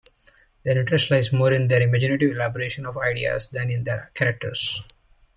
Their interest lies more in their imaginative elaboration of ideas than in their characters.